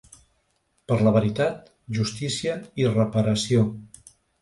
Per la veritat, justícia i reparació.